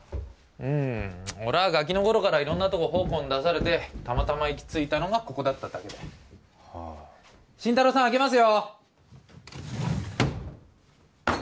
うん俺はガキの頃から色んなとこ奉公ん出されてたまたま行き着いたのがここだっただけで新太郎さん開けますよ